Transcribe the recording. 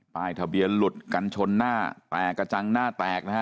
ป้ายทะเบียนหลุดกันชนหน้าแตกกระจังหน้าแตกนะฮะ